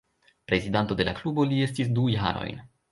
Prezidanto de la klubo li estis du jarojn.